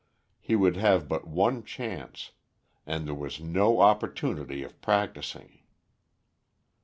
He would have but one chance, and there was no opportunity of practising.